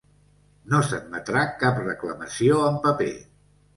No s'admetrà cap reclamació en paper.